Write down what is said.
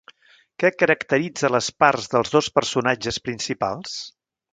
Què caracteritza a les parts dels dos personatges principals?